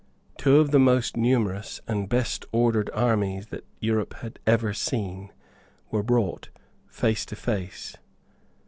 Two of the most numerous and best ordered armies that Europe had ever seen were brought face to face.